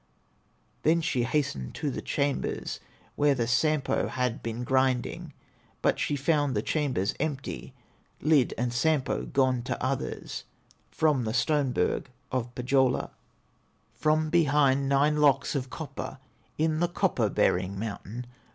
Then she hastened to the chambers Where the Sampo had been grinding; But she found the chambers empty, Lid and Sampo gone to others, From the stone berg of Pohyola, From behind nine locks of copper, In the copper bearing mountain.